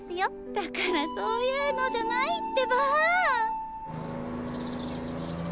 だからそういうのじゃないってば！